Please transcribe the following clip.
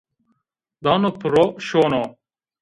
Dano piro şono